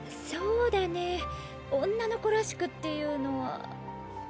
そーだね女の子らしくっていうのは。